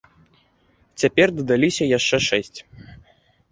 Цяпер дадаліся яшчэ шэсць.